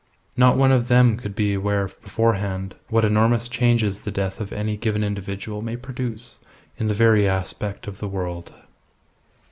Not one of them could be aware beforehand what enormous changes the death of any given individual may produce in the very aspect of the world.